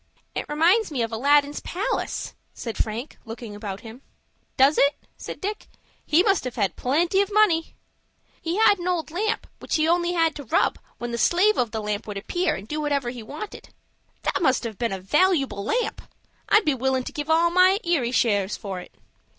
"It reminds me of Aladdin's palace," said Frank, looking about him. "Does it?" said Dick; "he must have had plenty of money." "He had an old lamp, which he had only to rub, when the Slave of the Lamp would appear, and do whatever he wanted." "That must have been a valooable lamp. I'd be willin' to give all my Erie shares for it."